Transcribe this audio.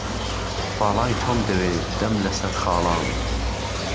باڵای تۆم دهوێ، دهم له سهر خاڵان